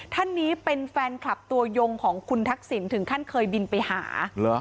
ท่านนี้เป็นแฟนคลับตัวยงของคุณทักษิณถึงขั้นเคยบินไปหา